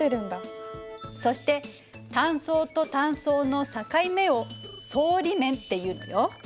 そして単層と単層の境目を層理面っていうのよ。